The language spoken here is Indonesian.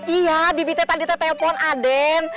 iya bibi teh tadi teh telpon aden